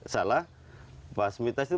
salah pas mites itu